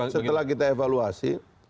setelah kita evaluasi